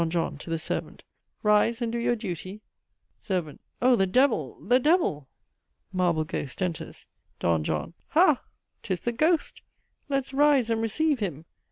JOHN. (to the servant) Rise and do your duty. "SERV. Oh the devil, the devil! (Marble ghost enters.) "D. JOHN. Ha! 'tis the ghost! Let's rise and receive him!